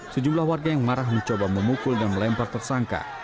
sejumlah warga yang marah mencoba memukul dan melempar tersangka